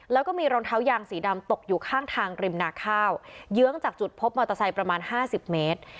แล้วก็มีรองเท้ายางสีดำตกอยู่ข้างทางริมนาข้าวเยื้องจากจุดพบมอเตอร์ไซค์ประมาณห้าสิบเมตร